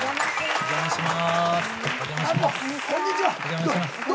お邪魔します。